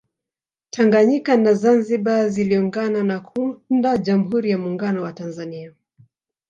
Tanganyika na Zanzibar ziliungana na kuunda Jamhuri ya Muungano wa Tanzania